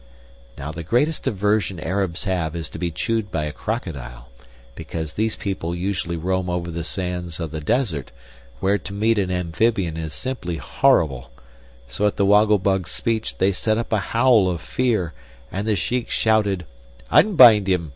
Now the greatest aversion Arabs have is to be chewed by a crocodile, because these people usually roam over the sands of the desert, where to meet an amphibian is simply horrible; so at the Woggle Bug's speech they set up a howl of fear, and the Shiek shouted: "Unbind him!